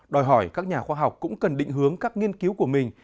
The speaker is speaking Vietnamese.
đòi hỏi các nhà khoa học cũng cần định hướng các nghiên cứu của mình